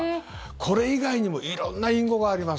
これ以外にも色んな隠語があります。